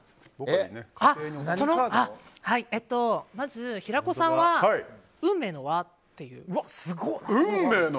まず、平子さんは運命の輪っていう。